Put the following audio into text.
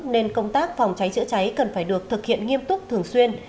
nên công tác phòng cháy chữa cháy cần phải được thực hiện nghiêm túc thường xuyên